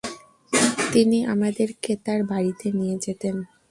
তিনি আমাদেরকে তার বাড়িতে নিয়ে যেতেন।